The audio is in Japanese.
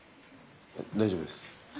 大丈夫です。